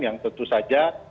yang tentu saja